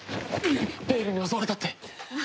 ベイルに襲われたって！